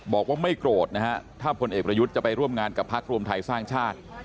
บอกว่าไม่โกรธนะฮะถ้าพลเอกประยุทธ์จะไปร่วมงานกับพักรวมไทยสร้างชาติ